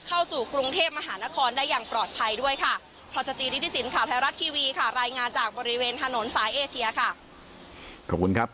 ขอบคุณครับคุณพรอยศัตริยีนะครับ